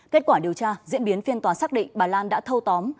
kết quả điều tra diễn biến phiên tòa xác định bà lan đã thâu tóm